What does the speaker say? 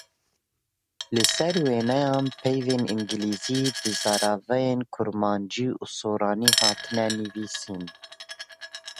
Li ser wêneyan peyvên îngîlîzî bi zaravayên kurmancî û soranî hatine nivîsîn.